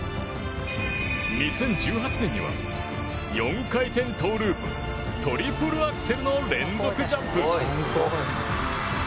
２０１８年には４回転トウループトリプルアクセルの連続ジャンプ。